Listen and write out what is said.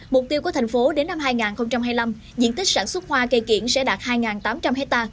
mục tiêu của thành phố đến năm hai nghìn hai mươi năm diện tích sản xuất hoa cây kiển sẽ đạt hai tám trăm linh hectare